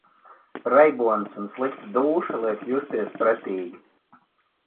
Reibonis un slikta dūša liek justies pretīgi.